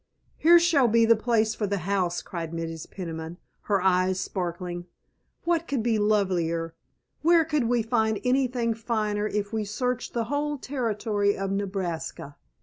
"Here shall be the place for the house!" cried Mrs. Peniman, her eyes sparkling. "What could be lovelier? Where could we find anything finer if we searched the whole Territory of Nebraska?